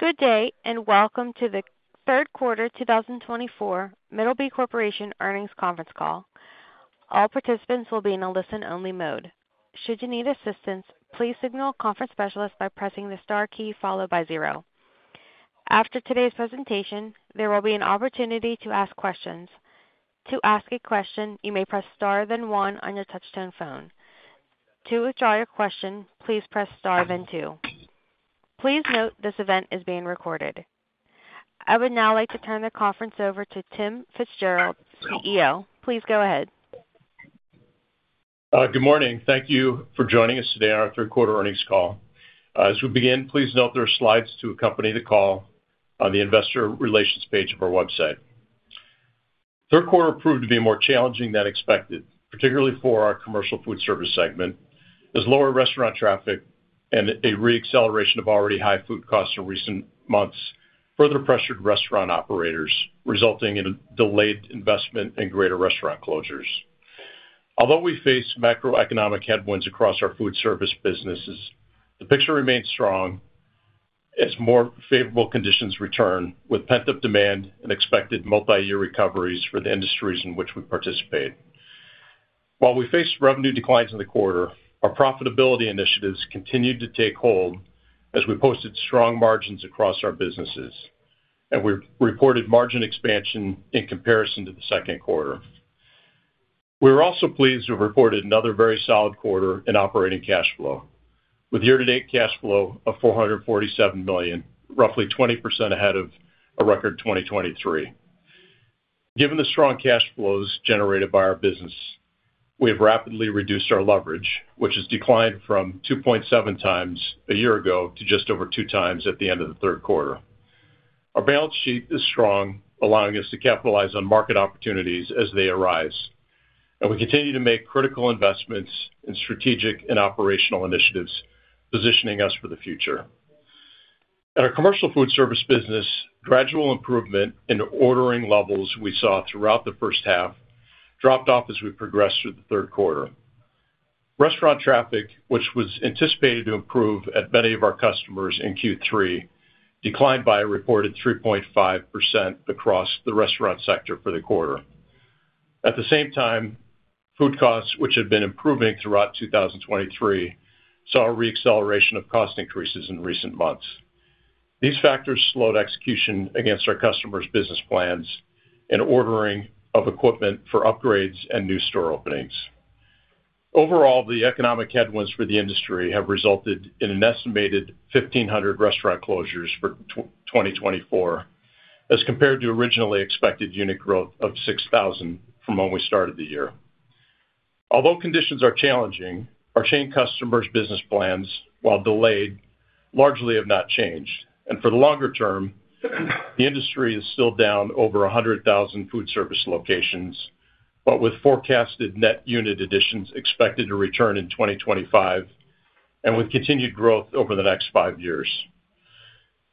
Good day, and welcome to the third quarter 2024 Middleby Corporation Earnings Conference Call. All participants will be in a listen-only mode. Should you need assistance, please signal a conference specialist by pressing the star key followed by zero. After today's presentation, there will be an opportunity to ask questions. To ask a question, you may press star then one on your touch-tone phone. To withdraw your question, please press star then two. Please note this event is being recorded. I would now like to turn the conference over to Tim Fitzgerald, CEO. Please go ahead. Good morning. Thank you for joining us today on our Third Quarter Earnings Call. As we begin, please note there are slides to accompany the call on the investor relations page of our website. The third quarter proved to be more challenging than expected, particularly for our Commercial Foodservice segment, as lower restaurant traffic and a re-acceleration of already high food costs in recent months further pressured restaurant operators, resulting in delayed investment and greater restaurant closures. Although we face macroeconomic headwinds across our foodservice businesses, the picture remains strong as more favorable conditions return, with pent-up demand and expected multi-year recoveries for the industries in which we participate. While we faced revenue declines in the quarter, our profitability initiatives continued to take hold as we posted strong margins across our businesses, and we reported margin expansion in comparison to the second quarter. We were also pleased to have reported another very solid quarter in operating cash flow, with year-to-date cash flow of $447 million, roughly 20% ahead of a record 2023. Given the strong cash flows generated by our business, we have rapidly reduced our leverage, which has declined from 2.7 times a year ago to just over two times at the end of the third quarter. Our balance sheet is strong, allowing us to capitalize on market opportunities as they arise, and we continue to make critical investments in strategic and operational initiatives, positioning us for the future. In our commercial food service business, gradual improvement in ordering levels we saw throughout the first half dropped off as we progressed through the third quarter. Restaurant traffic, which was anticipated to improve at many of our customers in Q3, declined by a reported 3.5% across the restaurant sector for the quarter. At the same time, food costs, which had been improving throughout 2023, saw a re-acceleration of cost increases in recent months. These factors slowed execution against our customers' business plans and ordering of equipment for upgrades and new store openings. Overall, the economic headwinds for the industry have resulted in an estimated 1,500 restaurant closures for 2024, as compared to originally expected unit growth of 6,000 from when we started the year. Although conditions are challenging, our chain customers' business plans, while delayed, largely have not changed. And for the longer term, the industry is still down over 100,000 food service locations, but with forecasted net unit additions expected to return in 2025 and with continued growth over the next five years.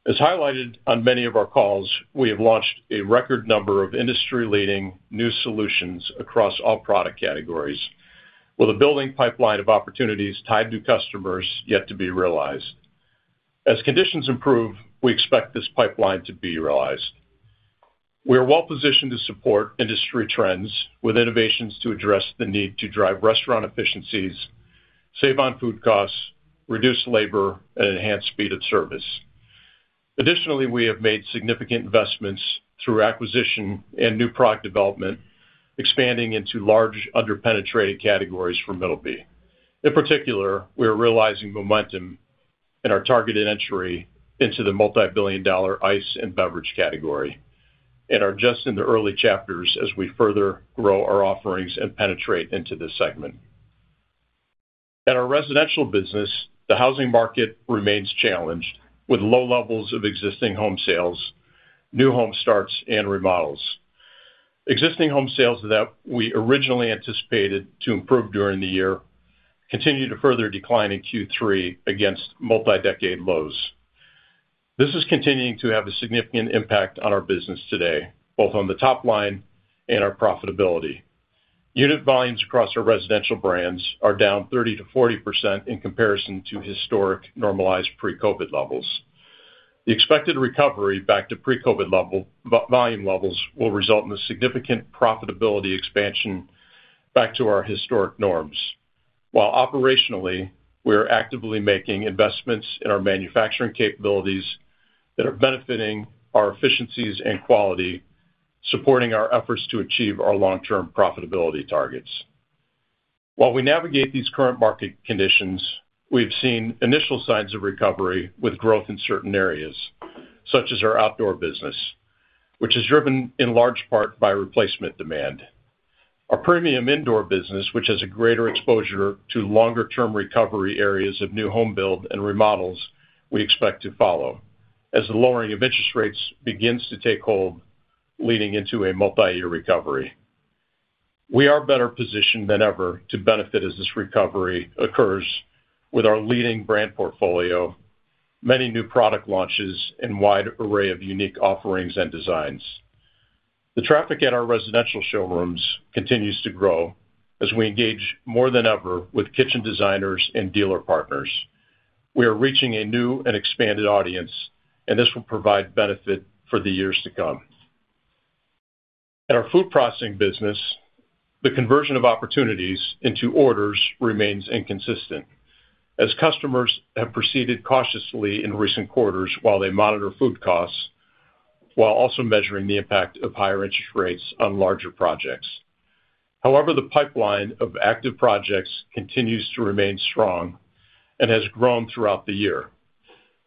As highlighted on many of our calls, we have launched a record number of industry-leading new solutions across all product categories, with a building pipeline of opportunities tied to customers yet to be realized. As conditions improve, we expect this pipeline to be realized. We are well-positioned to support industry trends with innovations to address the need to drive restaurant efficiencies, save on food costs, reduce labor, and enhance speed of service. Additionally, we have made significant investments through acquisition and new product development, expanding into large under-penetrated categories for Middleby. In particular, we are realizing momentum in our targeted entry into the multi-billion dollar ice and beverage category and are just in the early chapters as we further grow our offerings and penetrate into this segment. In our residential business, the housing market remains challenged with low levels of existing home sales, new home starts, and remodels. Existing home sales that we originally anticipated to improve during the year continue to further decline in Q3 against multi-decade lows. This is continuing to have a significant impact on our business today, both on the top line and our profitability. Unit volumes across our residential brands are down 30%-40% in comparison to historic normalized pre-COVID levels. The expected recovery back to pre-COVID volume levels will result in a significant profitability expansion back to our historic norms. While operationally, we are actively making investments in our manufacturing capabilities that are benefiting our efficiencies and quality, supporting our efforts to achieve our long-term profitability targets. While we navigate these current market conditions, we have seen initial signs of recovery with growth in certain areas, such as our outdoor business, which is driven in large part by replacement demand. Our premium indoor business, which has a greater exposure to longer-term recovery areas of new home build and remodels, we expect to follow as the lowering of interest rates begins to take hold, leading into a multi-year recovery. We are better positioned than ever to benefit as this recovery occurs, with our leading brand portfolio, many new product launches, and a wide array of unique offerings and designs. The traffic at our residential showrooms continues to grow as we engage more than ever with kitchen designers and dealer partners. We are reaching a new and expanded audience, and this will provide benefit for the years to come. In our food processing business, the conversion of opportunities into orders remains inconsistent as customers have proceeded cautiously in recent quarters while they monitor food costs, while also measuring the impact of higher interest rates on larger projects. However, the pipeline of active projects continues to remain strong and has grown throughout the year.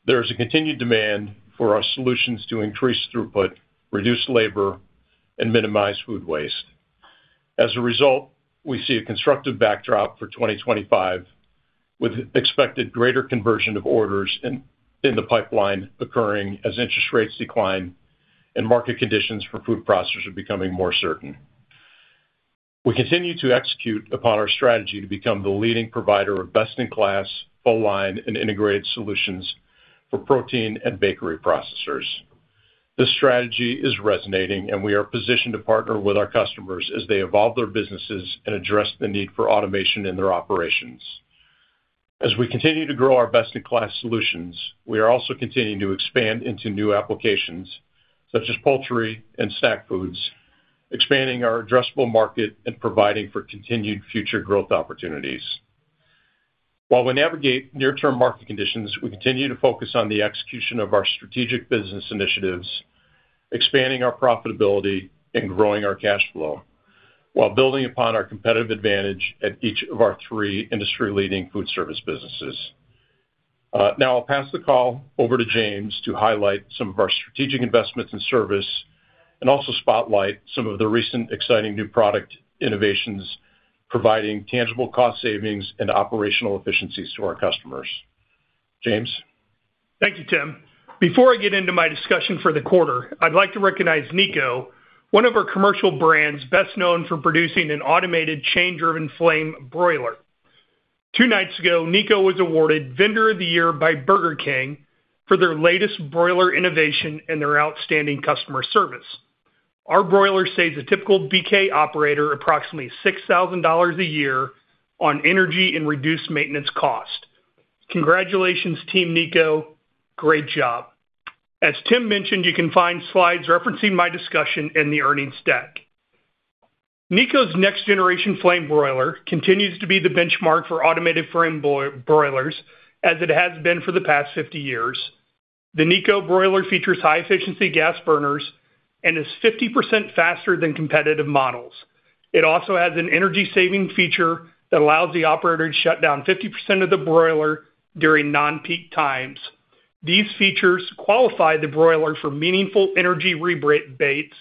There is a continued demand for our solutions to increase throughput, reduce labor, and minimize food waste. As a result, we see a constructive backdrop for 2025, with expected greater conversion of orders in the pipeline occurring as interest rates decline and market conditions for food processors are becoming more certain. We continue to execute upon our strategy to become the leading provider of best-in-class, full-line, and integrated solutions for protein and bakery processors. This strategy is resonating, and we are positioned to partner with our customers as they evolve their businesses and address the need for automation in their operations. As we continue to grow our best-in-class solutions, we are also continuing to expand into new applications such as poultry and snack foods, expanding our addressable market and providing for continued future growth opportunities. While we navigate near-term market conditions, we continue to focus on the execution of our strategic business initiatives, expanding our profitability and growing our cash flow, while building upon our competitive advantage at each of our three industry-leading food service businesses. Now, I'll pass the call over to James to highlight some of our strategic investments and service and also spotlight some of the recent exciting new product innovations, providing tangible cost savings and operational efficiencies to our customers. James. Thank you, Tim. Before I get into my discussion for the quarter, I'd like to recognize Nieco, one of our commercial brands best known for producing an automated chain-driven flame broiler. Two nights ago, Nieco was awarded Vendor of the Year by Burger King for their latest broiler innovation and their outstanding customer service. Our broiler saves a typical BK operator approximately $6,000 a year on energy and reduced maintenance cost. Congratulations, Team Nieco. Great job. As Tim mentioned, you can find slides referencing my discussion in the earnings deck. Nieco's next-generation flame broiler continues to be the benchmark for automated flame broilers, as it has been for the past 50 years. The Nieco broiler features high-efficiency gas burners and is 50% faster than competitive models. It also has an energy-saving feature that allows the operator to shut down 50% of the broiler during non-peak times. These features qualify the broiler for meaningful energy rebates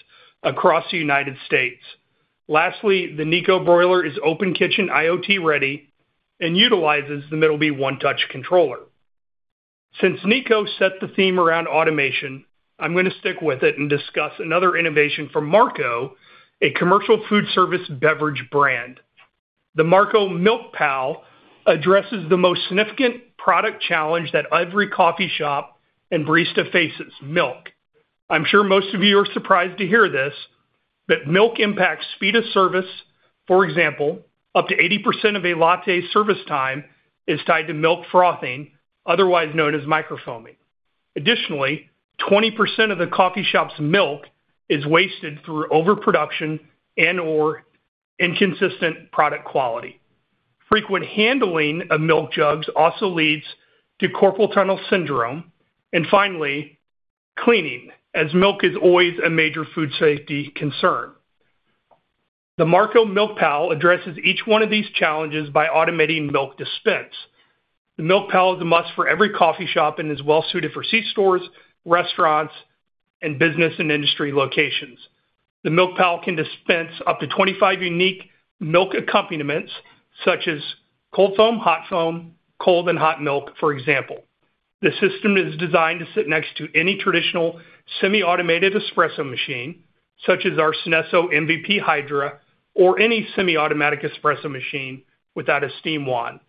across the United States. Lastly, the Nieco broiler is open kitchen IoT ready and utilizes the Middleby OneTouch controller. Since Nieco set the theme around automation, I'm going to stick with it and discuss another innovation from Marco, a commercial food service beverage brand. The Marco Milk Pal addresses the most significant product challenge that every coffee shop and barista faces: milk. I'm sure most of you are surprised to hear this, but milk impacts speed of service. For example, up to 80% of a latte's service time is tied to milk frothing, otherwise known as microfoaming. Additionally, 20% of the coffee shop's milk is wasted through overproduction and/or inconsistent product quality. Frequent handling of milk jugs also leads to carpal tunnel syndrome. And finally, cleaning, as milk is always a major food safety concern. The Marco Milk Pal addresses each one of these challenges by automating milk dispense. The Milk Pal is a must for every coffee shop and is well-suited for c-stores, restaurants, and business and industry locations. The Milk Pal can dispense up to 25 unique milk accompaniments, such as cold foam, hot foam, cold and hot milk, for example. The system is designed to sit next to any traditional semi-automated espresso machine, such as our Synesso MVP Hydra or any semi-automatic espresso machine without a steam wand.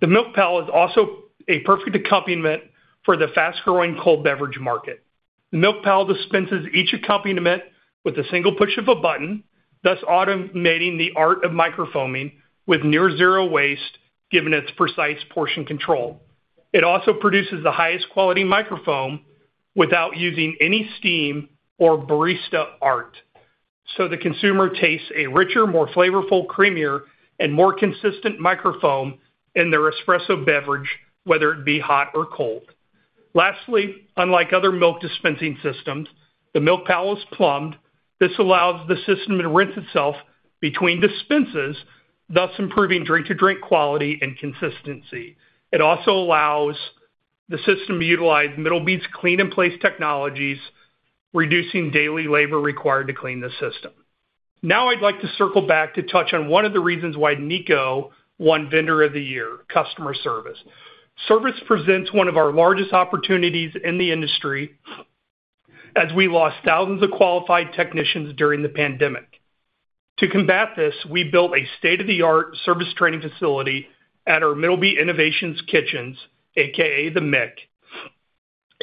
The Milk Pal is also a perfect accompaniment for the fast-growing cold beverage market. The Milk Pal dispenses each accompaniment with a single push of a button, thus automating the art of microfoaming with near zero waste, given its precise portion control. It also produces the highest quality microfoam without using any steam or barista art, so the consumer tastes a richer, more flavorful, creamier, and more consistent microfoam in their espresso beverage, whether it be hot or cold. Lastly, unlike other milk dispensing systems, the Milk Pal is plumbed. This allows the system to rinse itself between dispenses, thus improving drink-to-drink quality and consistency. It also allows the system to utilize Middleby's clean-in-place technologies, reducing daily labor required to clean the system. Now, I'd like to circle back to touch on one of the reasons why Nieco won Vendor of the Year customer service. Service presents one of our largest opportunities in the industry, as we lost thousands of qualified technicians during the pandemic. To combat this, we built a state-of-the-art service training facility at our Middleby Innovation Kitchens, a.k.a. the MIC.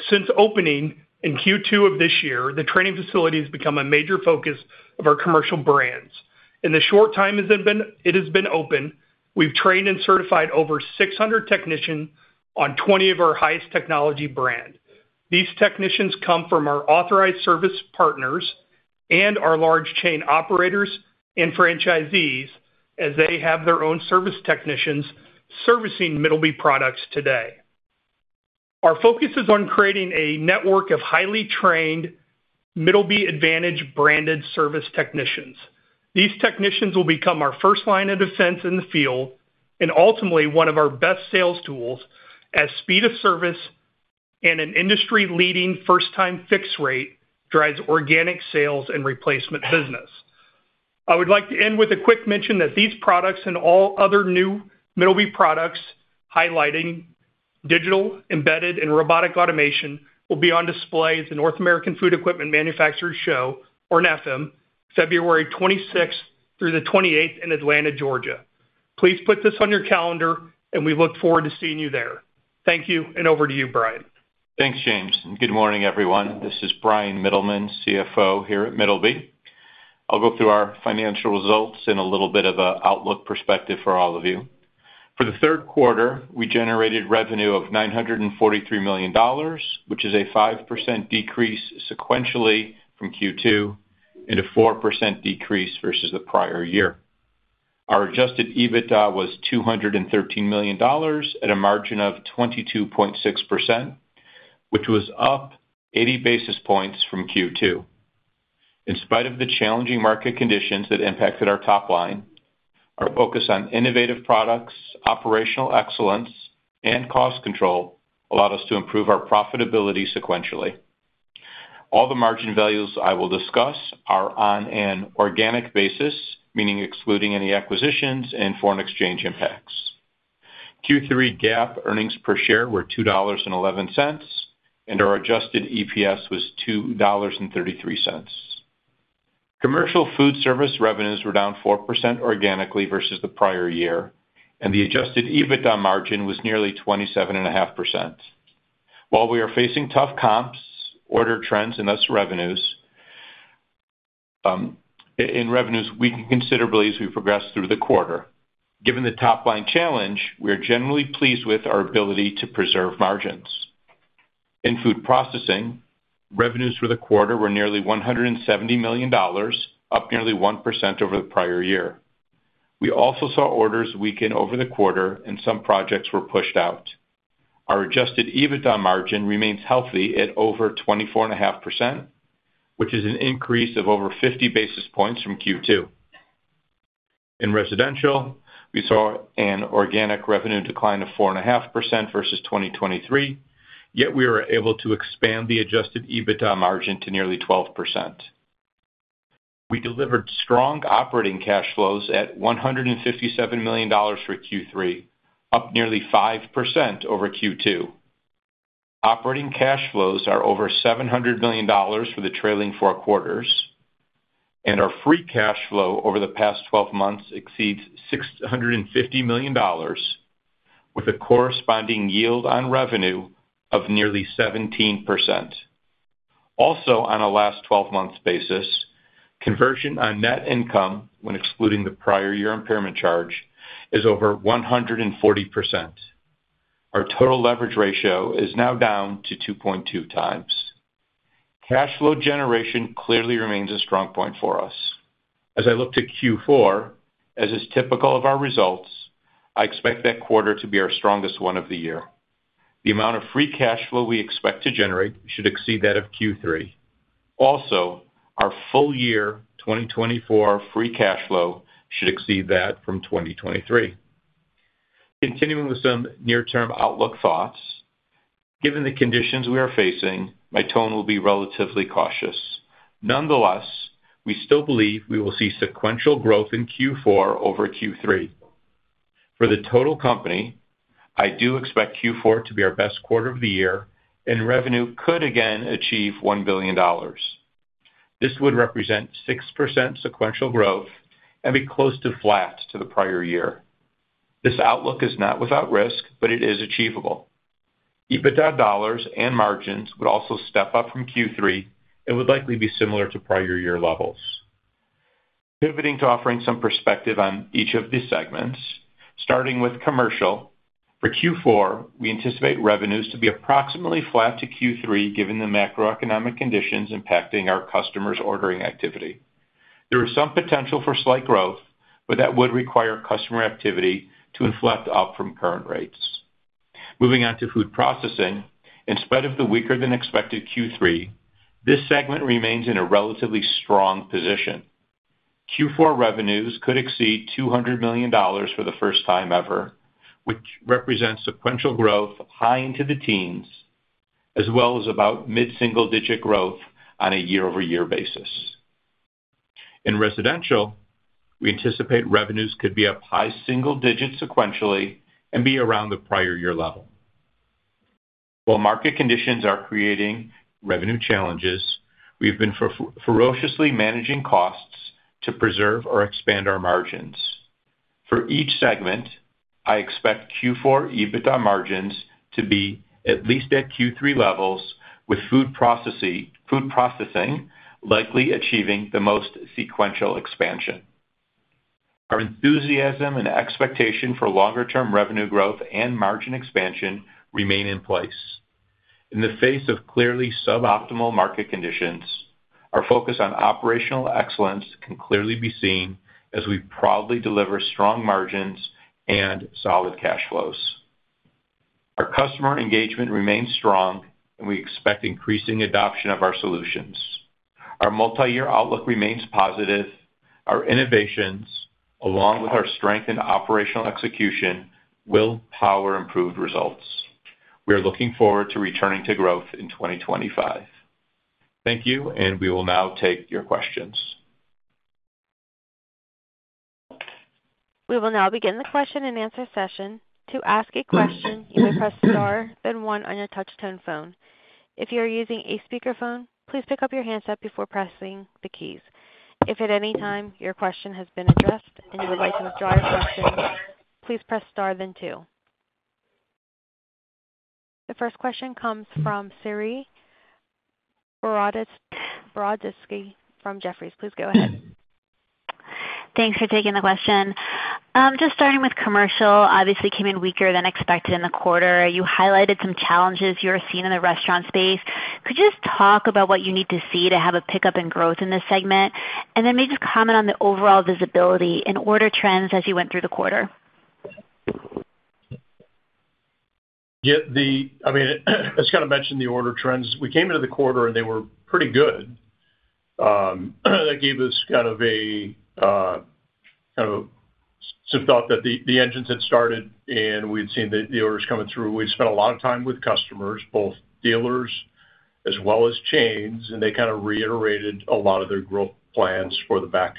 Since opening in Q2 of this year, the training facility has become a major focus of our commercial brands. In the short time it has been open, we've trained and certified over 600 technicians on 20 of our highest technology brands. These technicians come from our authorized service partners and our large chain operators and franchisees, as they have their own service technicians servicing Middleby products today. Our focus is on creating a network of highly trained Middleby Advantage branded service technicians. These technicians will become our first line of defense in the field and ultimately one of our best sales tools, as speed of service and an industry-leading first-time fix rate drives organic sales and replacement business. I would like to end with a quick mention that these products and all other new Middleby products highlighting digital, embedded, and robotic automation will be on display at the North American Association of Food Equipment Manufacturers Show, or NAFEM, February 26th through the 28th in Atlanta, Georgia. Please put this on your calendar, and we look forward to seeing you there. Thank you, and over to you, Bryan. Thanks, James. And good morning, everyone. This is Bryan Mittelman, CFO here at Middleby. I'll go through our financial results in a little bit of an outlook perspective for all of you. For the third quarter, we generated revenue of $943 million, which is a 5% decrease sequentially from Q2 and a 4% decrease versus the prior year. Our adjusted EBITDA was $213 million at a margin of 22.6%, which was up 80 basis points from Q2. In spite of the challenging market conditions that impacted our top line, our focus on innovative products, operational excellence, and cost control allowed us to improve our profitability sequentially. All the margin values I will discuss are on an organic basis, meaning excluding any acquisitions and foreign exchange impacts. Q3 GAAP earnings per share were $2.11, and our adjusted EPS was $2.33. Commercial food service revenues were down 4% organically versus the prior year, and the Adjusted EBITDA margin was nearly 27.5%. While we are facing tough comps, order trends, and thus revenues, we can considerably as we progress through the quarter. Given the top line challenge, we are generally pleased with our ability to preserve margins. In food processing, revenues for the quarter were nearly $170 million, up nearly 1% over the prior year. We also saw orders weaken over the quarter, and some projects were pushed out. Our Adjusted EBITDA margin remains healthy at over 24.5%, which is an increase of over 50 basis points from Q2. In residential, we saw an organic revenue decline of 4.5% versus 2023, yet we were able to expand the Adjusted EBITDA margin to nearly 12%. We delivered strong operating cash flows at $157 million for Q3, up nearly 5% over Q2. Operating cash flows are over $700 million for the trailing four quarters, and our free cash flow over the past 12 months exceeds $650 million, with a corresponding yield on revenue of nearly 17%. Also, on a last 12-month basis, conversion on net income, when excluding the prior year impairment charge, is over 140%. Our total leverage ratio is now down to 2.2 times. Cash flow generation clearly remains a strong point for us. As I look to Q4, as is typical of our results, I expect that quarter to be our strongest one of the year. The amount of free cash flow we expect to generate should exceed that of Q3. Also, our full year 2024 free cash flow should exceed that from 2023. Continuing with some near-term outlook thoughts, given the conditions we are facing, my tone will be relatively cautious. Nonetheless, we still believe we will see sequential growth in Q4 over Q3. For the total company, I do expect Q4 to be our best quarter of the year, and revenue could again achieve $1 billion. This would represent 6% sequential growth and be close to flat to the prior year. This outlook is not without risk, but it is achievable. EBITDA dollars and margins would also step up from Q3 and would likely be similar to prior year levels. Pivoting to offering some perspective on each of these segments, starting with commercial, for Q4, we anticipate revenues to be approximately flat to Q3, given the macroeconomic conditions impacting our customers' ordering activity. There is some potential for slight growth, but that would require customer activity to inflect up from current rates. Moving on to food processing, in spite of the weaker-than-expected Q3, this segment remains in a relatively strong position. Q4 revenues could exceed $200 million for the first time ever, which represents sequential growth high into the teens, as well as about mid-single-digit growth on a year-over-year basis. In residential, we anticipate revenues could be up high single-digit sequentially and be around the prior year level. While market conditions are creating revenue challenges, we've been ferociously managing costs to preserve or expand our margins. For each segment, I expect Q4 EBITDA margins to be at least at Q3 levels, with food processing likely achieving the most sequential expansion. Our enthusiasm and expectation for longer-term revenue growth and margin expansion remain in place. In the face of clearly suboptimal market conditions, our focus on operational excellence can clearly be seen as we proudly deliver strong margins and solid cash flows. Our customer engagement remains strong, and we expect increasing adoption of our solutions. Our multi-year outlook remains positive. Our innovations, along with our strength in operational execution, will power improved results. We are looking forward to returning to growth in 2025. Thank you, and we will now take your questions. We will now begin the question and answer session. To ask a question, you may press Star, then 1 on your touch-tone phone. If you are using a speakerphone, please pick up your handset before pressing the keys. If at any time your question has been addressed and you would like to withdraw your question, please press Star, then 2. The first question comes from Saree Boroditsky from Jefferies. Please go ahead. Thanks for taking the question. Just starting with commercial, obviously came in weaker than expected in the quarter. You highlighted some challenges you were seeing in the restaurant space. Could you just talk about what you need to see to have a pickup in growth in this segment? And then maybe just comment on the overall visibility and order trends as you went through the quarter. Yeah, I mean, I just got to mention the order trends. We came into the quarter, and they were pretty good. That gave us kind of some thought that the engines had started, and we had seen the orders coming through. We'd spent a lot of time with customers, both dealers as well as chains, and they kind of reiterated a lot of their growth plans for the back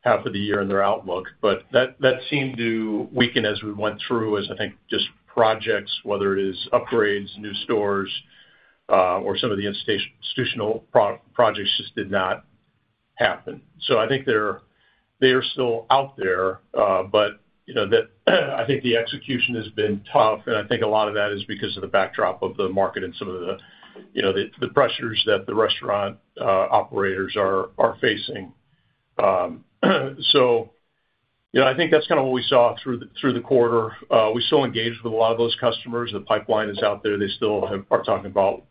half of the year and their outlook. But that seemed to weaken as we went through, as I think just projects, whether it is upgrades, new stores, or some of the institutional projects, just did not happen. So I think they are still out there, but I think the execution has been tough, and I think a lot of that is because of the backdrop of the market and some of the pressures that the restaurant operators are facing. So I think that's kind of what we saw through the quarter. We still engage with a lot of those customers. The pipeline is out there. They still are talking about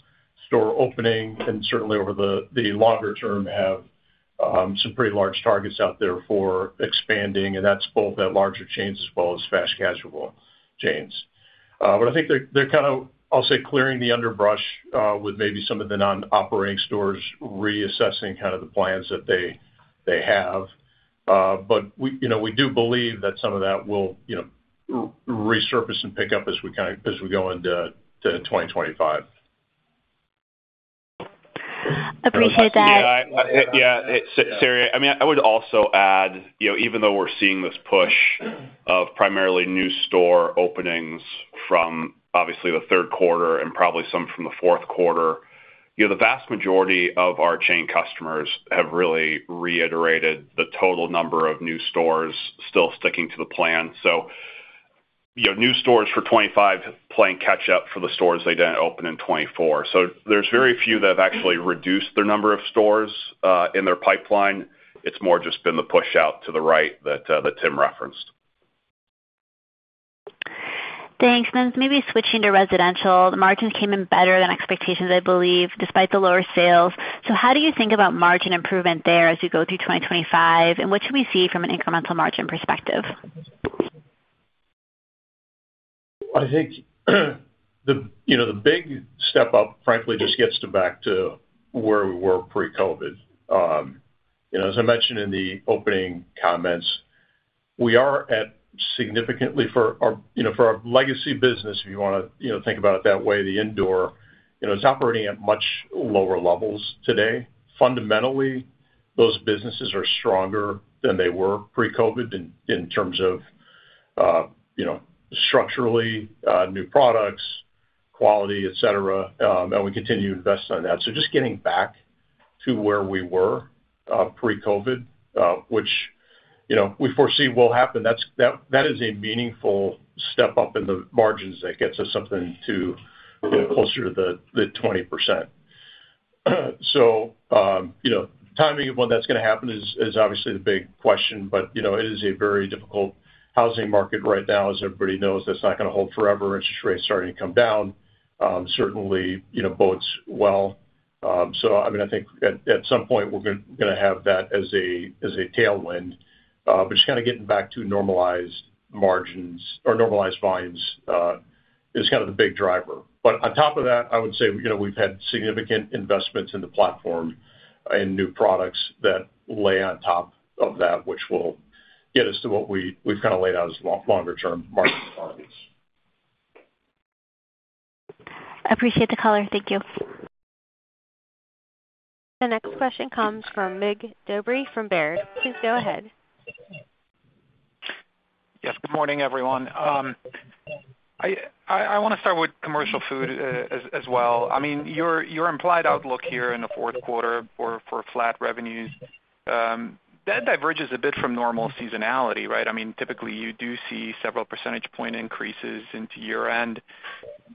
store opening, and certainly over the longer term, have some pretty large targets out there for expanding, and that's both at larger chains as well as fast-casual chains. But I think they're kind of, I'll say, clearing the underbrush with maybe some of the non-operating stores reassessing kind of the plans that they have. But we do believe that some of that will resurface and pick up as we go into 2025. Appreciate that. Yeah, Saree, I mean, I would also add, even though we're seeing this push of primarily new store openings from obviously the third quarter and probably some from the fourth quarter, the vast majority of our chain customers have really reiterated the total number of new stores still sticking to the plan. So, new stores for 2025 playing catch-up for the stores they didn't open in 2024. So there's very few that have actually reduced their number of stores in their pipeline. It's more just been the push out to the right that Tim referenced. Thanks. And then maybe switching to residential, the margins came in better than expectations, I believe, despite the lower sales. So how do you think about margin improvement there as we go through 2025, and what should we see from an incremental margin perspective? I think the big step up, frankly, just gets us back to where we were pre-COVID. As I mentioned in the opening comments, we are at significantly lower levels for our legacy business, if you want to think about it that way, the indoor. It's operating at much lower levels today. Fundamentally, those businesses are stronger than they were pre-COVID in terms of structurally new products, quality, etc., and we continue to invest in that. So just getting back to where we were pre-COVID, which we foresee will happen, that is a meaningful step up in the margins that gets us something closer to the 20%. So the timing of when that's going to happen is obviously the big question, but it is a very difficult housing market right now, as everybody knows. That's not going to hold forever. Interest rates are starting to come down. Certainly, bodes well. So I mean, I think at some point, we're going to have that as a tailwind, but just kind of getting back to normalized margins or normalized volumes is kind of the big driver. But on top of that, I would say we've had significant investments in the platform and new products that lay on top of that, which will get us to what we've kind of laid out as longer-term market targets. Appreciate the caller. Thank you. The next question comes from Mick Dobre from Baird. Please go ahead. Yes, good morning, everyone. I want to start with commercial food as well. I mean, your implied outlook here in the fourth quarter for flat revenues, that diverges a bit from normal seasonality, right? I mean, typically, you do see several percentage point increases into year-end,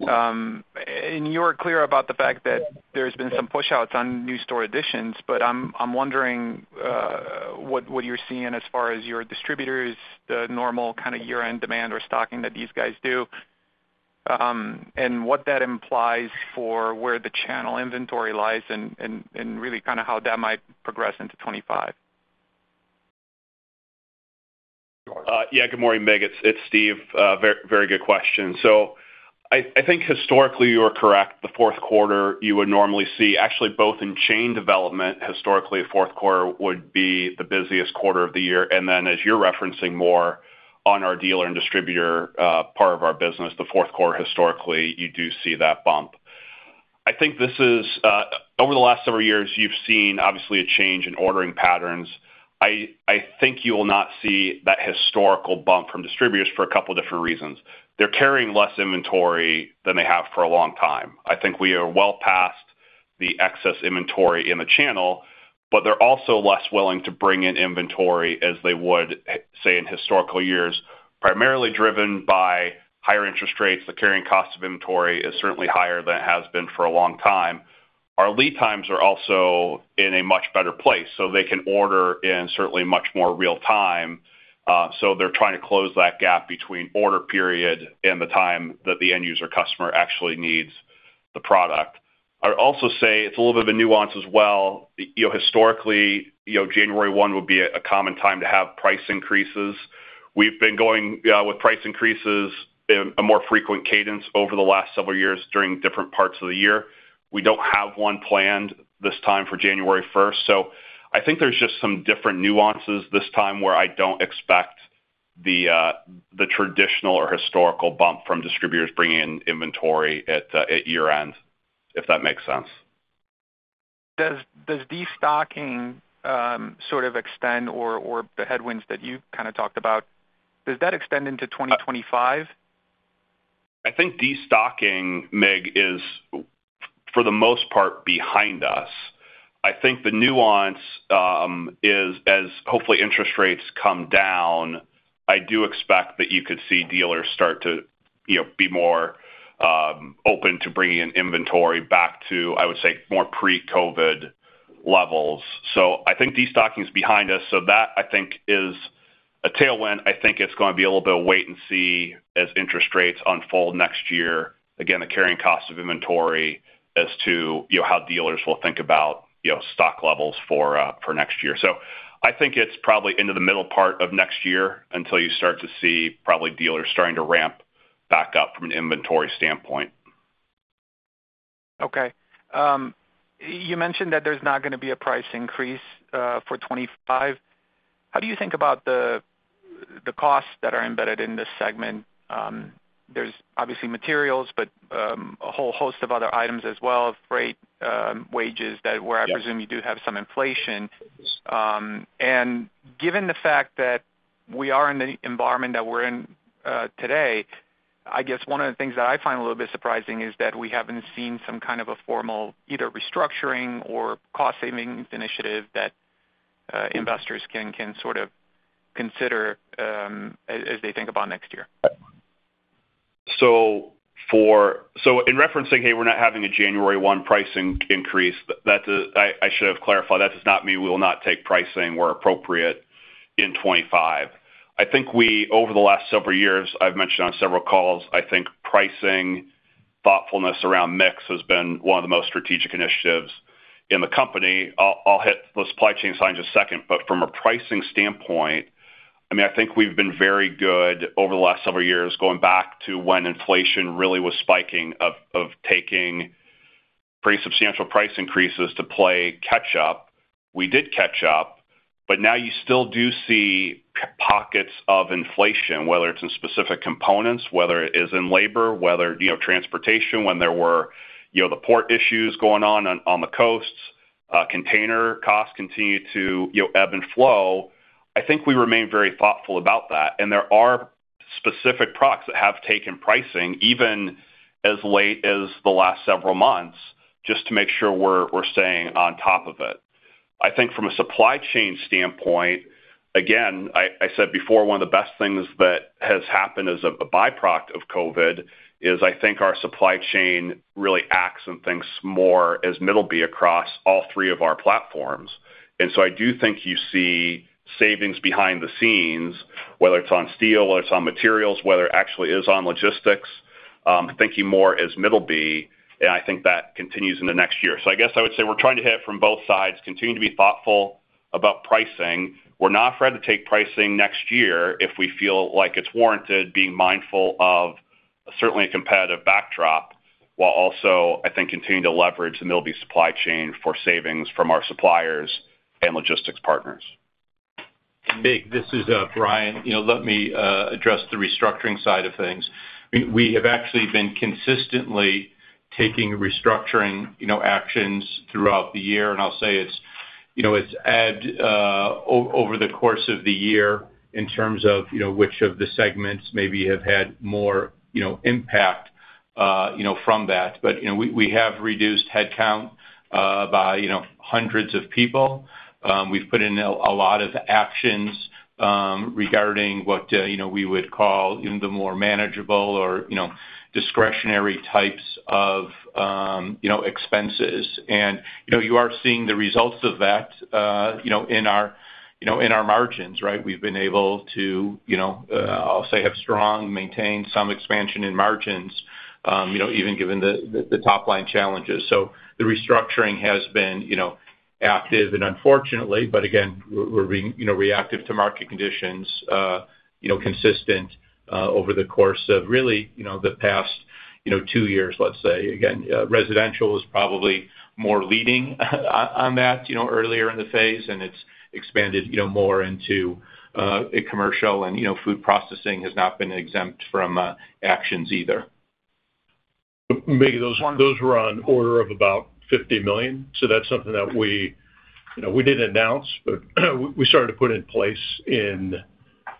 and you were clear about the fact that there's been some push-outs on new store additions, but I'm wondering what you're seeing as far as your distributors, the normal kind of year-end demand or stocking that these guys do, and what that implies for where the channel inventory lies and really kind of how that might progress into 2025? Yeah, good morning, Mick. It's Steve. Very good question. So I think historically, you were correct. The fourth quarter, you would normally see actually both in chain development, historically, fourth quarter would be the busiest quarter of the year. And then, as you're referencing more on our dealer and distributor part of our business, the fourth quarter, historically, you do see that bump. I think this is over the last several years, you've seen obviously a change in ordering patterns. I think you will not see that historical bump from distributors for a couple of different reasons. They're carrying less inventory than they have for a long time. I think we are well past the excess inventory in the channel, but they're also less willing to bring in inventory as they would, say, in historical years, primarily driven by higher interest rates. The carrying cost of inventory is certainly higher than it has been for a long time. Our lead times are also in a much better place, so they can order in certainly much more real time. So they're trying to close that gap between order period and the time that the end-user customer actually needs the product. I'd also say it's a little bit of a nuance as well. Historically, January 1 would be a common time to have price increases. We've been going with price increases in a more frequent cadence over the last several years during different parts of the year. We don't have one planned this time for January 1st. So I think there's just some different nuances this time where I don't expect the traditional or historical bump from distributors bringing in inventory at year-end, if that makes sense. Does destocking sort of extend or the headwinds that you kind of talked about, does that extend into 2025? I think destocking, Mick, is for the most part behind us. I think the nuance is, as hopefully interest rates come down, I do expect that you could see dealers start to be more open to bringing in inventory back to, I would say, more pre-COVID levels. So I think destocking is behind us. So that, I think, is a tailwind. I think it's going to be a little bit of wait and see as interest rates unfold next year. Again, the carrying cost of inventory as to how dealers will think about stock levels for next year. So I think it's probably into the middle part of next year until you start to see probably dealers starting to ramp back up from an inventory standpoint. Okay. You mentioned that there's not going to be a price increase for 2025. How do you think about the costs that are embedded in this segment? There's obviously materials, but a whole host of other items as well, freight, wages, where I presume you do have some inflation. And given the fact that we are in the environment that we're in today, I guess one of the things that I find a little bit surprising is that we haven't seen some kind of a formal either restructuring or cost-savings initiative that investors can sort of consider as they think about next year. So in referencing, "Hey, we're not having a January 1 pricing increase," I should have clarified that. That's not me. We will not take pricing where appropriate in 2025. I think we, over the last several years, I've mentioned on several calls, I think pricing thoughtfulness around mix has been one of the most strategic initiatives in the company. I'll hit the supply chain signs in a second, but from a pricing standpoint, I mean, I think we've been very good over the last several years going back to when inflation really was spiking of taking pretty substantial price increases to play catch-up. We did catch-up, but now you still do see pockets of inflation, whether it's in specific components, whether it is in labor, whether transportation, when there were the port issues going on on the coasts. Container costs continue to ebb and flow. I think we remain very thoughtful about that. And there are specific products that have taken pricing even as late as the last several months just to make sure we're staying on top of it. I think from a supply chain standpoint, again, I said before, one of the best things that has happened as a byproduct of COVID is I think our supply chain really acts and thinks more as Middleby across all three of our platforms. And so I do think you see savings behind the scenes, whether it's on steel, whether it's on materials, whether it actually is on logistics, thinking more as Middleby. And I think that continues into next year. So I guess I would say we're trying to hit it from both sides, continue to be thoughtful about pricing. We're not afraid to take pricing next year if we feel like it's warranted, being mindful of certainly a competitive backdrop, while also, I think, continuing to leverage the Middleby supply chain for savings from our suppliers and logistics partners. Mick, this is Bryan. Let me address the restructuring side of things. We have actually been consistently taking restructuring actions throughout the year. And I'll say it's ebbed over the course of the year in terms of which of the segments maybe have had more impact from that. But we have reduced headcount by hundreds of people. We've put in a lot of actions regarding what we would call the more manageable or discretionary types of expenses. And you are seeing the results of that in our margins, right? We've been able to, I'll say, have strong maintained some expansion in margins, even given the top-line challenges. So the restructuring has been active, and unfortunately, but again, we're being reactive to market conditions, consistent over the course of really the past two years, let's say. Again, residential is probably more leading on that earlier in the phase, and it's expanded more into commercial, and food processing has not been exempt from actions either. Mick, those were on the order of about $50 million. So that's something that we didn't announce, but we started to put in place in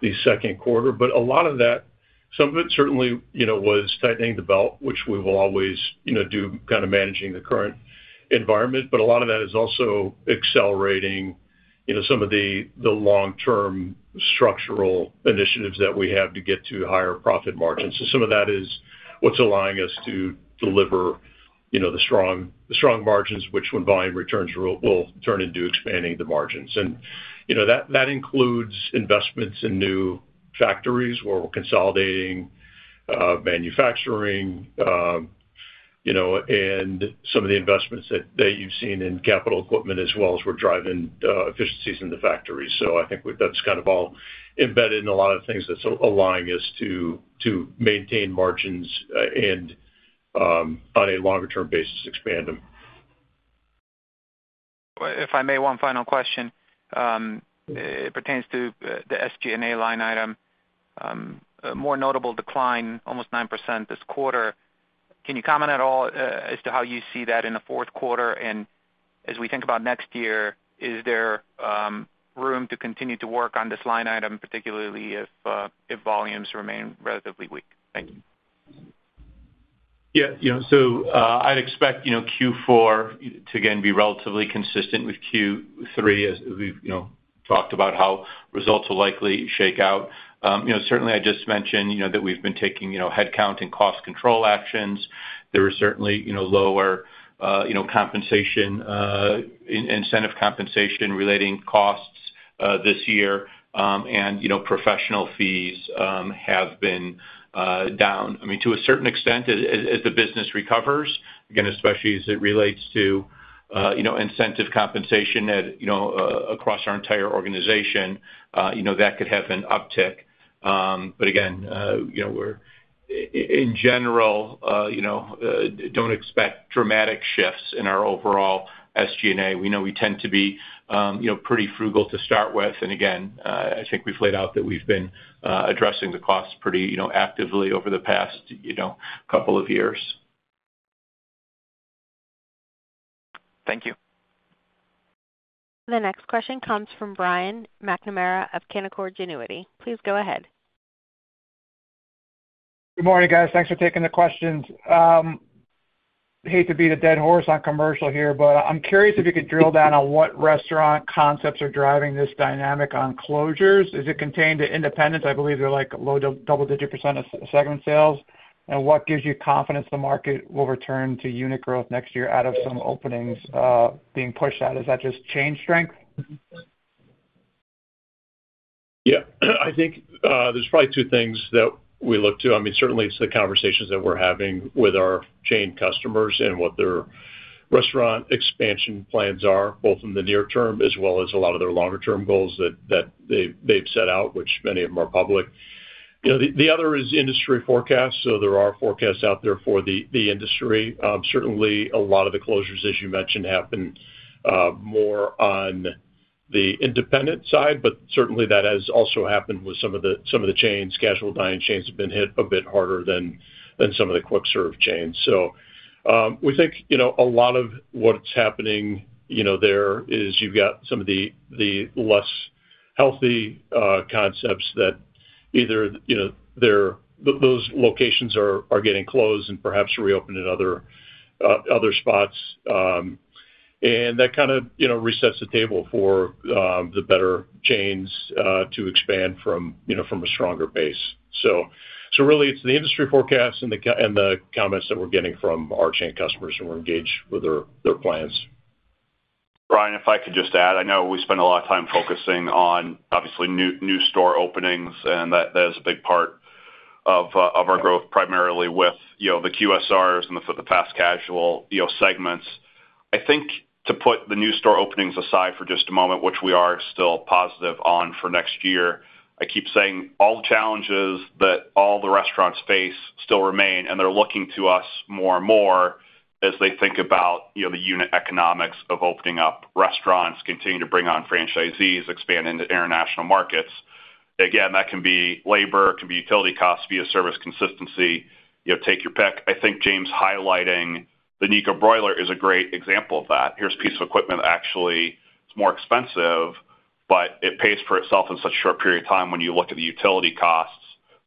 the second quarter. But a lot of that, some of it certainly was tightening the belt, which we will always do kind of managing the current environment. But a lot of that is also accelerating some of the long-term structural initiatives that we have to get to higher profit margins. So some of that is what's allowing us to deliver the strong margins, which when volume returns will turn into expanding the margins. And that includes investments in new factories where we're consolidating manufacturing and some of the investments that you've seen in capital equipment, as well as we're driving efficiencies in the factories. So I think that's kind of all embedded in a lot of things that's allowing us to maintain margins and, on a longer-term basis, expand them. If I may, one final question. It pertains to the SG&A line item. More notable decline, almost 9% this quarter. Can you comment at all as to how you see that in the fourth quarter? And as we think about next year, is there room to continue to work on this line item, particularly if volumes remain relatively weak? Thank you. Yeah. So I'd expect Q4 to, again, be relatively consistent with Q3 as we've talked about how results will likely shake out. Certainly, I just mentioned that we've been taking headcount and cost control actions. There were certainly lower compensation, incentive compensation relating costs this year, and professional fees have been down. I mean, to a certain extent, as the business recovers, again, especially as it relates to incentive compensation across our entire organization, that could have an uptick. But again, in general, don't expect dramatic shifts in our overall SG&A. We know we tend to be pretty frugal to start with. And again, I think we've laid out that we've been addressing the costs pretty actively over the past couple of years. Thank you. The next question comes from Brian McNamara of Canaccord Genuity. Please go ahead. Good morning, guys. Thanks for taking the questions. Hate to beat a dead horse on commercial here, but I'm curious if you could drill down on what restaurant concepts are driving this dynamic on closures. Is it contained to independents? I believe they're like low double-digit % of segment sales. And what gives you confidence the market will return to unit growth next year out of some openings being pushed out? Is that just chain strength? Yeah. I think there's probably two things that we look to. I mean, certainly, it's the conversations that we're having with our chain customers and what their restaurant expansion plans are, both in the near term as well as a lot of their longer-term goals that they've set out, which many of them are public. The other is industry forecasts. So there are forecasts out there for the industry. Certainly, a lot of the closures, as you mentioned, happen more on the independent side, but certainly, that has also happened with some of the chains. Casual dining chains have been hit a bit harder than some of the quick-serve chains. So we think a lot of what's happening there is you've got some of the less healthy concepts that either those locations are getting closed and perhaps reopened at other spots. And that kind of resets the table for the better chains to expand from a stronger base. So really, it's the industry forecasts and the comments that we're getting from our chain customers who are engaged with their plans. Bryan, if I could just add, I know we spend a lot of time focusing on, obviously, new store openings, and that is a big part of our growth, primarily with the QSRs and the fast casual segments. I think to put the new store openings aside for just a moment, which we are still positive on for next year, I keep saying all the challenges that all the restaurants face still remain, and they're looking to us more and more as they think about the unit economics of opening up restaurants, continuing to bring on franchisees, expanding to international markets. Again, that can be labor, it can be utility costs, be a service consistency, take your pick. I think James highlighting the Nieco Broiler is a great example of that. Here's a piece of equipment that actually is more expensive, but it pays for itself in such a short period of time when you look at the utility costs,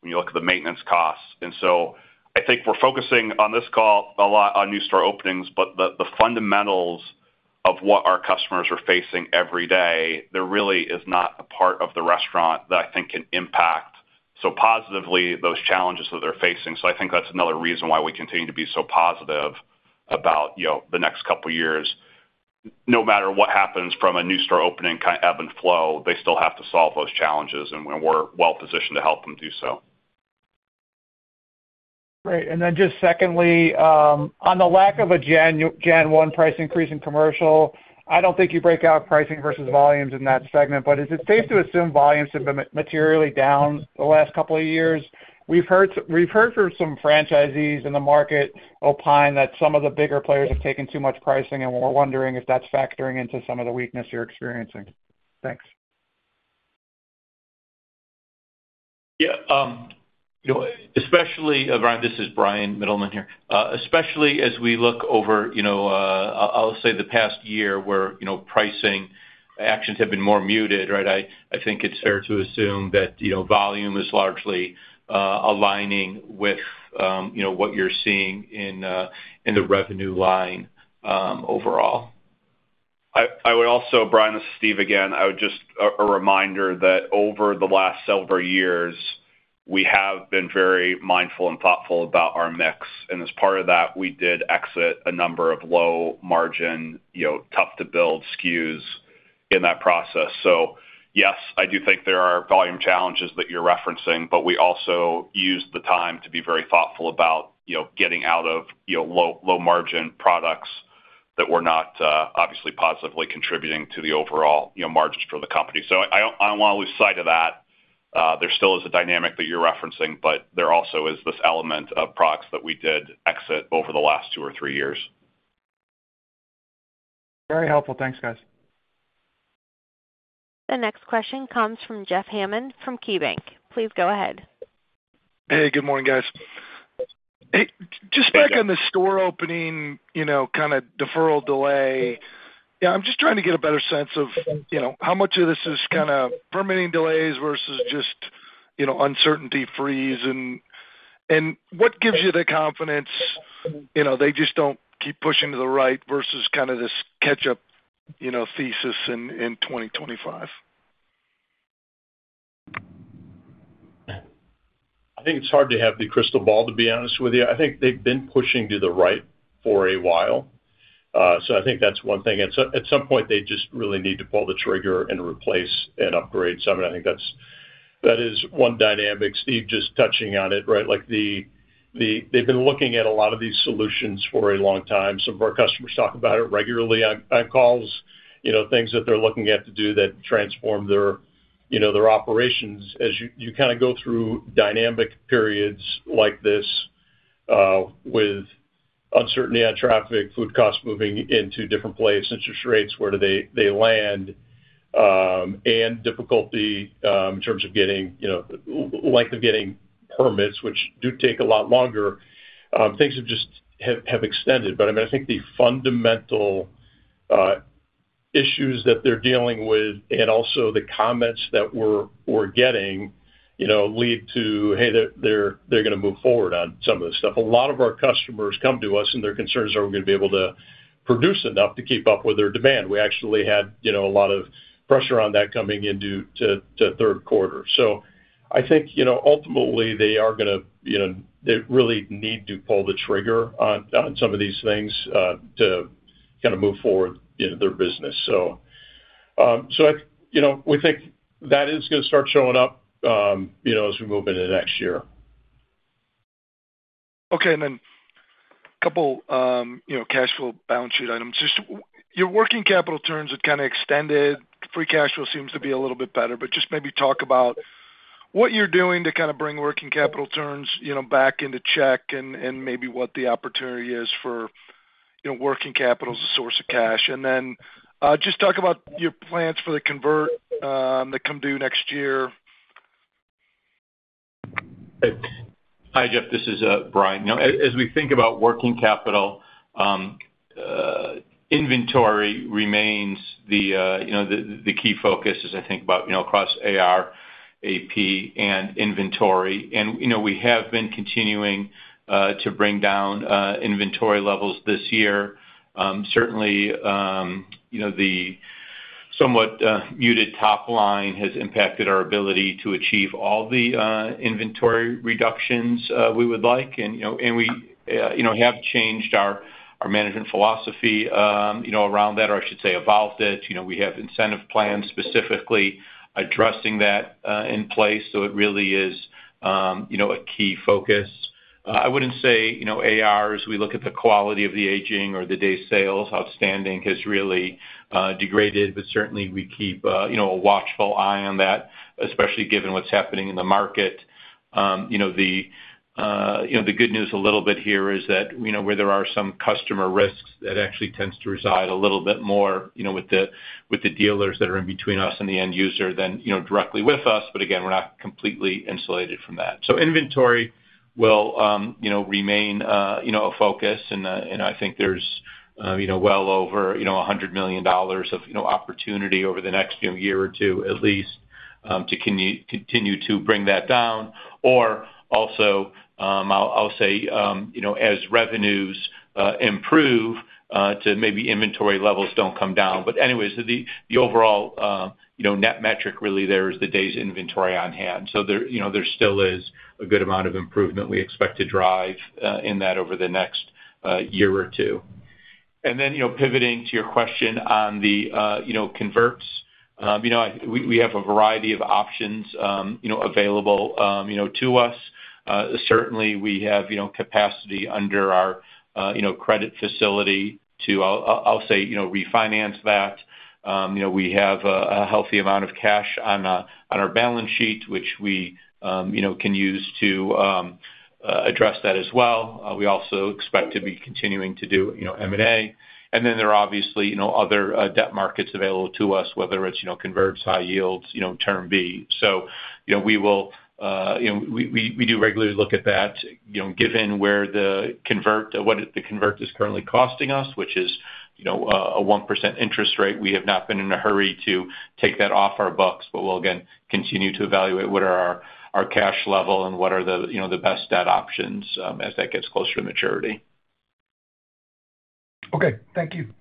when you look at the maintenance costs, and so I think we're focusing on this call a lot on new store openings, but the fundamentals of what our customers are facing every day. There really is not a part of the restaurant that I think can impact so positively those challenges that they're facing, so I think that's another reason why we continue to be so positive about the next couple of years. No matter what happens from a new store opening kind of ebb and flow, they still have to solve those challenges, and we're well-positioned to help them do so. Right. And then just secondly, on the lack of a Jan 1 price increase in commercial, I don't think you break out pricing versus volumes in that segment, but is it safe to assume volumes have been materially down the last couple of years? We've heard from some franchisees in the market opine that some of the bigger players have taken too much pricing, and we're wondering if that's factoring into some of the weakness you're experiencing. Thanks. Yeah. Especially, Bryan, this is Bryan Mittelman here. Especially as we look over, I'll say the past year where pricing actions have been more muted, right? I think it's fair to assume that volume is largely aligning with what you're seeing in the revenue line overall. I would also, Bryan. This is Steve again. I would just a reminder that over the last several years, we have been very mindful and thoughtful about our mix, and as part of that, we did exit a number of low-margin, tough-to-build SKUs in that process. So yes, I do think there are volume challenges that you're referencing, but we also used the time to be very thoughtful about getting out of low-margin products that were not obviously positively contributing to the overall margins for the company. So I don't want to lose sight of that. There still is a dynamic that you're referencing, but there also is this element of products that we did exit over the last two or three years. Very helpful. Thanks, guys. The next question comes from Jeff Hammond from KeyBanc. Please go ahead. Hey, good morning, guys. Hey, just back on the store opening kind of deferral delay. Yeah, I'm just trying to get a better sense of how much of this is kind of permitting delays versus just uncertainty freeze, and what gives you the confidence they just don't keep pushing to the right versus kind of this catch-up thesis in 2025? I think it's hard to have the crystal ball, to be honest with you. I think they've been pushing to the right for a while. So I think that's one thing. At some point, they just really need to pull the trigger and replace and upgrade. So I mean, I think that is one dynamic. Steve just touching on it, right? They've been looking at a lot of these solutions for a long time. Some of our customers talk about it regularly on calls, things that they're looking at to do that transform their operations as you kind of go through dynamic periods like this with uncertainty on traffic, food costs moving into different places, interest rates, where do they land, and difficulty in terms of getting length of getting permits, which do take a lot longer. Things have just extended. But I mean, I think the fundamental issues that they're dealing with and also the comments that we're getting lead to, hey, they're going to move forward on some of this stuff. A lot of our customers come to us, and their concerns are we're going to be able to produce enough to keep up with their demand. We actually had a lot of pressure on that coming into third quarter. So I think ultimately they are going to really need to pull the trigger on some of these things to kind of move forward their business. So we think that is going to start showing up as we move into next year. Okay, and then a couple of cash flow balance sheet items. Just your working capital terms have kind of extended. Free cash flow seems to be a little bit better, but just maybe talk about what you're doing to kind of bring working capital terms back into check and maybe what the opportunity is for working capital as a source of cash, and then just talk about your plans for the converts that come due next year. Hi, Jeff. This is Bryan. As we think about working capital, inventory remains the key focus, as I think about across AR, AP, and inventory. And we have been continuing to bring down inventory levels this year. Certainly, the somewhat muted top line has impacted our ability to achieve all the inventory reductions we would like. And we have changed our management philosophy around that, or I should say evolved it. We have incentive plans specifically addressing that in place. So it really is a key focus. I wouldn't say ARs, we look at the quality of the aging or the days sales outstanding has really degraded, but certainly we keep a watchful eye on that, especially given what's happening in the market. The good news a little bit here is that where there are some customer risks that actually tends to reside a little bit more with the dealers that are in between us and the end user than directly with us, but again, we're not completely insulated from that. So inventory will remain a focus. And I think there's well over $100 million of opportunity over the next year or two, at least, to continue to bring that down. Or also, I'll say as revenues improve, to maybe inventory levels don't come down. But anyways, the overall net metric really there is the day's inventory on hand. So there still is a good amount of improvement we expect to drive in that over the next year or two. And then pivoting to your question on the converts, we have a variety of options available to us. Certainly, we have capacity under our credit facility to, I'll say, refinance that. We have a healthy amount of cash on our balance sheet, which we can use to address that as well. We also expect to be continuing to do M&A. And then there are obviously other debt markets available to us, whether it's converts, high yields, Term B. So we will do regularly look at that, given where the convert is currently costing us, which is a 1% interest rate. We have not been in a hurry to take that off our books, but we'll again continue to evaluate what are our cash level and what are the best debt options as that gets closer to maturity. Okay. Thank you.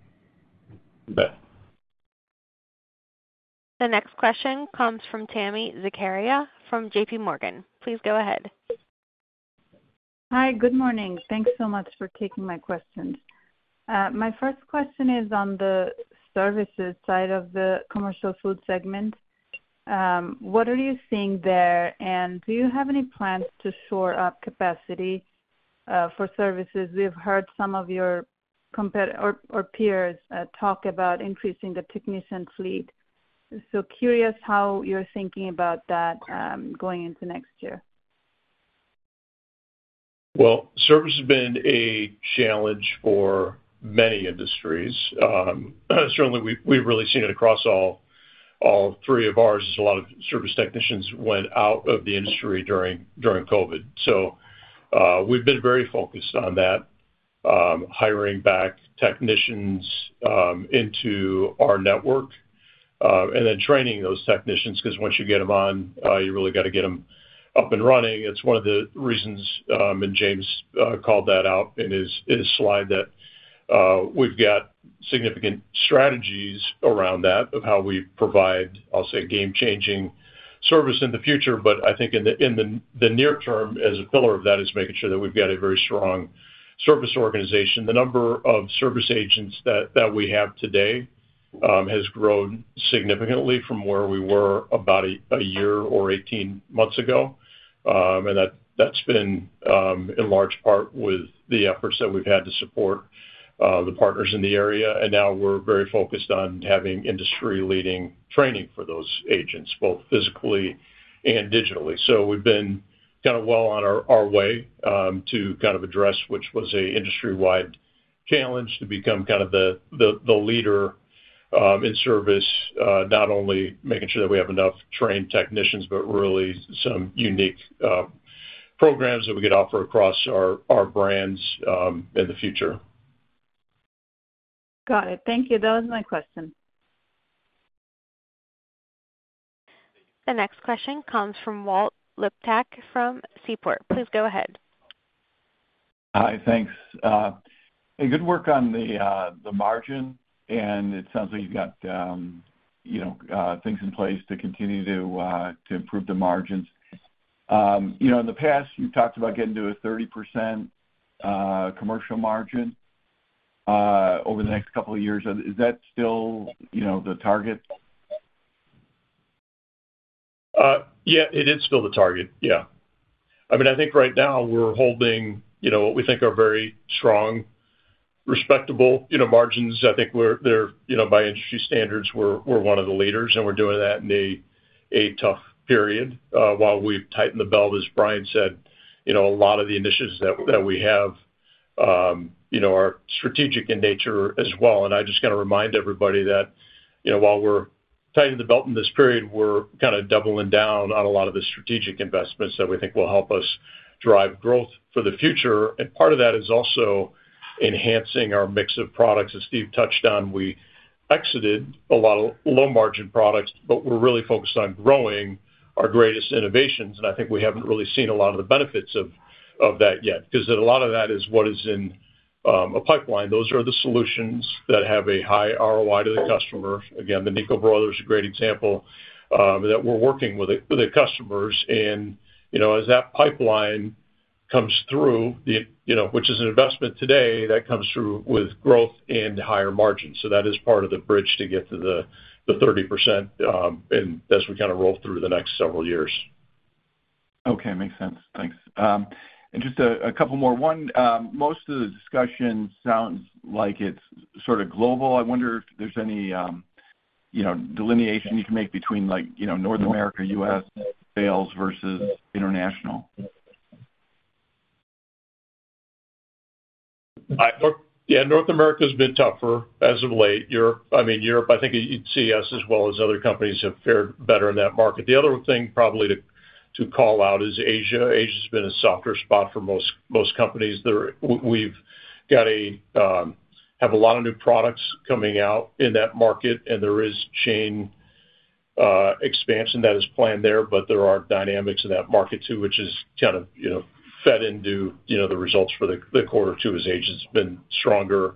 The next question comes from Tami Zakaria from JPMorgan. Please go ahead. Hi, good morning. Thanks so much for taking my questions. My first question is on the services side of the commercial food segment. What are you seeing there? And do you have any plans to shore up capacity for services? We have heard some of your peers talk about increasing the technician fleet. So curious how you're thinking about that going into next year. Service has been a challenge for many industries. Certainly, we've really seen it across all three of ours. There's a lot of service technicians who went out of the industry during COVID. So we've been very focused on that, hiring back technicians into our network and then training those technicians because once you get them on, you really got to get them up and running. It's one of the reasons James called that out in his slide that we've got significant strategies around that of how we provide, I'll say, game-changing service in the future. But I think in the near term, as a pillar of that, is making sure that we've got a very strong service organization. The number of service agents that we have today has grown significantly from where we were about a year or 18 months ago. That's been in large part with the efforts that we've had to support the partners in the area. Now we're very focused on having industry-leading training for those agents, both physically and digitally. We've been kind of well on our way to kind of address, which was an industry-wide challenge, to become kind of the leader in service, not only making sure that we have enough trained technicians, but really some unique programs that we could offer across our brands in the future. Got it. Thank you. That was my question. The next question comes from Walt Liptak from Seaport. Please go ahead. Hi, thanks. Good work on the margin. And it sounds like you've got things in place to continue to improve the margins. In the past, you talked about getting to a 30% commercial margin over the next couple of years. Is that still the target? Yeah, it is still the target. Yeah. I mean, I think right now we're holding what we think are very strong, respectable margins. I think by industry standards, we're one of the leaders, and we're doing that in a tough period. While we've tightened the belt, as Bryan said, a lot of the initiatives that we have are strategic in nature as well. And I just want to remind everybody that while we're tightening the belt in this period, we're kind of doubling down on a lot of the strategic investments that we think will help us drive growth for the future. And part of that is also enhancing our mix of products. As Steve touched on, we exited a lot of low-margin products, but we're really focused on growing our greatest innovations. And I think we haven't really seen a lot of the benefits of that yet because a lot of that is what is in a pipeline. Those are the solutions that have a high ROI to the customer. Again, the Nieco Broiler is a great example that we're working with the customers. And as that pipeline comes through, which is an investment today, that comes through with growth and higher margins. So that is part of the bridge to get to the 30% as we kind of roll through the next several years. Okay. Makes sense. Thanks. And just a couple more. One, most of the discussion sounds like it's sort of global. I wonder if there's any delineation you can make between North America, U.S., sales versus international? Yeah, North America has been tougher as of late. I mean, Europe, I think CS as well as other companies have fared better in that market. The other thing probably to call out is Asia. Asia has been a softer spot for most companies. We've got a lot of new products coming out in that market, and there is chain expansion that is planned there, but there are dynamics in that market too, which has kind of fed into the results for the quarter too as Asia has been stronger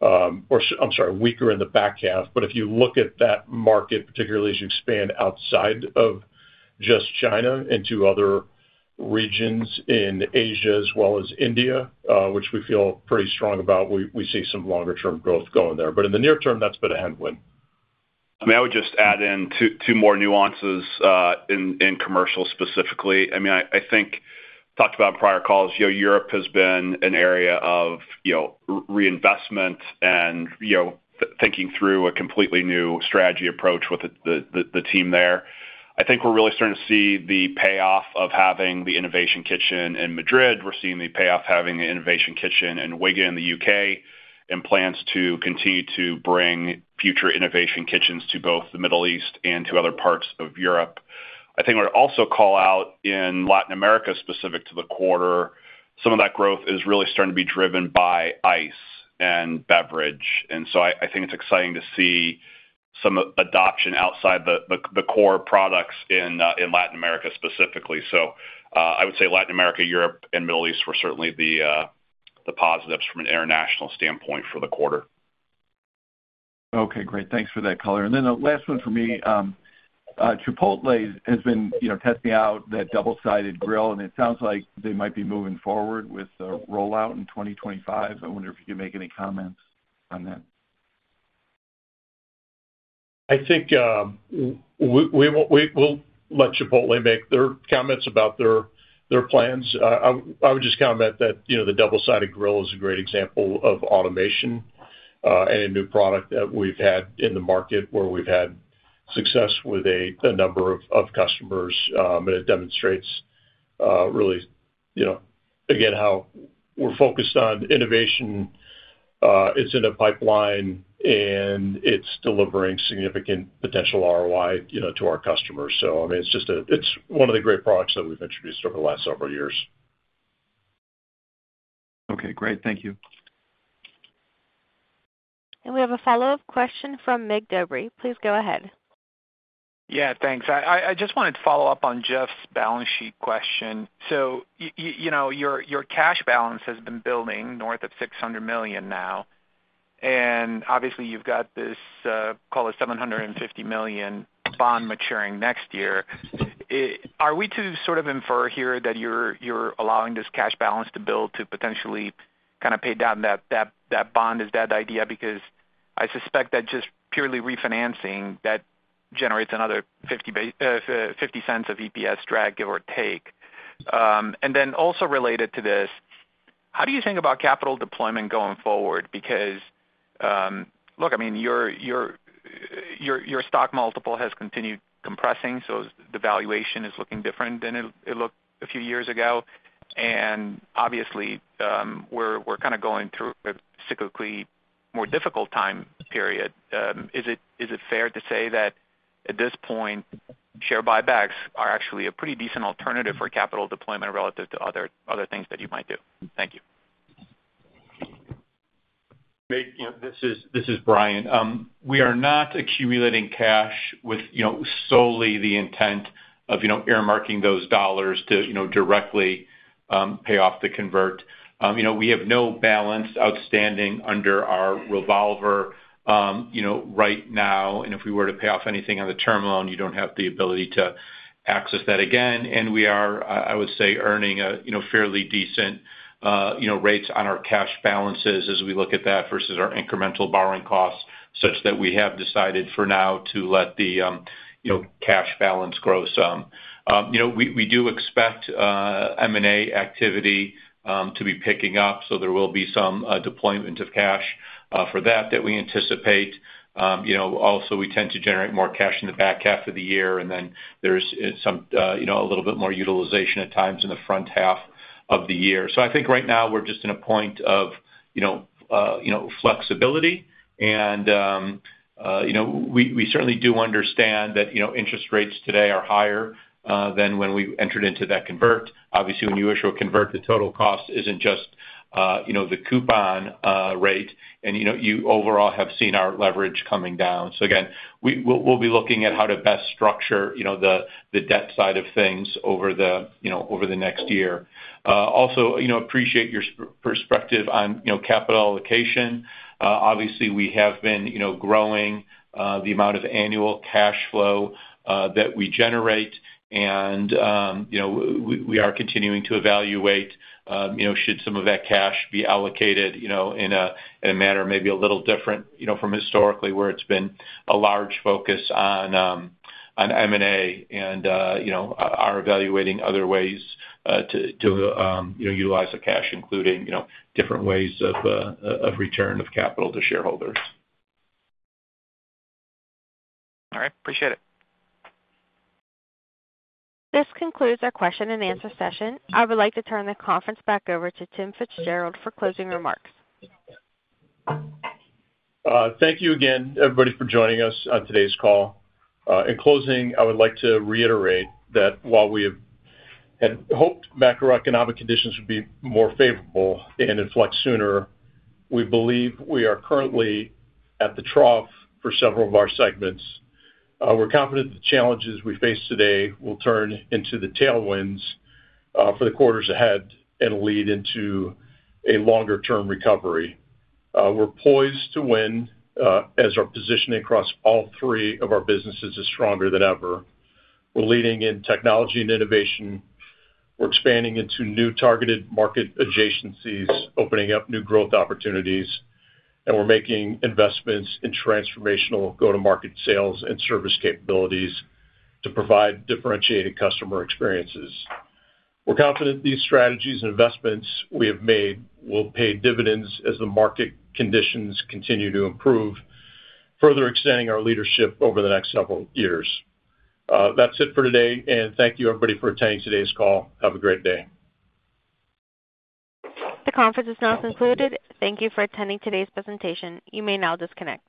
or, I'm sorry, weaker in the back half. But if you look at that market, particularly as you expand outside of just China into other regions in Asia as well as India, which we feel pretty strong about, we see some longer-term growth going there. But in the near term, that's been a headwind. I mean, I would just add in two more nuances in commercial specifically. I mean, I think talked about in prior calls, Europe has been an area of reinvestment and thinking through a completely new strategy approach with the team there. I think we're really starting to see the payoff of having the innovation kitchen in Madrid. We're seeing the payoff having an innovation kitchen in Wigan in the U.K. and plans to continue to bring future innovation kitchens to both the Middle East and to other parts of Europe. I think I would also call out in Latin America specific to the quarter, some of that growth is really starting to be driven by ice and beverage. And so I think it's exciting to see some adoption outside the core products in Latin America specifically. So I would say Latin America, Europe, and Middle East were certainly the positives from an international standpoint for the quarter. Okay. Great. Thanks for that, Colin. And then the last one for me, Chipotle has been testing out that double-sided grill, and it sounds like they might be moving forward with the rollout in 2025. I wonder if you can make any comments on that? I think we'll let Chipotle make their comments about their plans. I would just comment that the double-sided grill is a great example of automation and a new product that we've had in the market where we've had success with a number of customers. And it demonstrates really, again, how we're focused on innovation. It's in a pipeline, and it's delivering significant potential ROI to our customers. So I mean, it's just one of the great products that we've introduced over the last several years. Okay. Great. Thank you. We have a follow-up question from Mick Dobre. Please go ahead. Yeah. Thanks. I just wanted to follow up on Jeff's balance sheet question. So your cash balance has been building north of $600 million now. And obviously, you've got this, call it, $750 million bond maturing next year. Are we to sort of infer here that you're allowing this cash balance to build to potentially kind of pay down that bond? Is that idea? Because I suspect that just purely refinancing, that generates another $0.50 of EPS drag, give or take. And then also related to this, how do you think about capital deployment going forward? Because look, I mean, your stock multiple has continued compressing, so the valuation is looking different than it looked a few years ago. And obviously, we're kind of going through a cyclically more difficult time period. Is it fair to say that at this point, share buybacks are actually a pretty decent alternative for capital deployment relative to other things that you might do? Thank you. This is Bryan. We are not accumulating cash with solely the intent of earmarking those dollars to directly pay off the convert. We have no balance outstanding under our revolver right now, and if we were to pay off anything on the term loan, you don't have the ability to access that again. And we are, I would say, earning a fairly decent rate on our cash balances as we look at that versus our incremental borrowing costs, such that we have decided for now to let the cash balance grow some. We do expect M&A activity to be picking up, so there will be some deployment of cash for that that we anticipate. Also, we tend to generate more cash in the back half of the year, and then there's a little bit more utilization at times in the front half of the year. So I think right now we're just in a point of flexibility. And we certainly do understand that interest rates today are higher than when we entered into that convert. Obviously, when you issue a convert, the total cost isn't just the coupon rate. And you overall have seen our leverage coming down. So again, we'll be looking at how to best structure the debt side of things over the next year. Also, appreciate your perspective on capital allocation. Obviously, we have been growing the amount of annual cash flow that we generate. And we are continuing to evaluate should some of that cash be allocated in a manner maybe a little different from historically where it's been a large focus on M&A and we're evaluating other ways to utilize the cash, including different ways of return of capital to shareholders. All right. Appreciate it. This concludes our question and answer session. I would like to turn the conference back over to Tim Fitzgerald for closing remarks. Thank you again, everybody, for joining us on today's call. In closing, I would like to reiterate that while we had hoped macroeconomic conditions would be more favorable and inflect sooner, we believe we are currently at the trough for several of our segments. We're confident that the challenges we face today will turn into the tailwinds for the quarters ahead and lead into a longer-term recovery. We're poised to win as our position across all three of our businesses is stronger than ever. We're leading in technology and innovation. We're expanding into new targeted market adjacencies, opening up new growth opportunities. And we're making investments in transformational go-to-market sales and service capabilities to provide differentiated customer experiences. We're confident these strategies and investments we have made will pay dividends as the market conditions continue to improve, further extending our leadership over the next several years. That's it for today. Thank you, everybody, for attending today's call. Have a great day. The conference is now concluded. Thank you for attending today's presentation. You may now disconnect.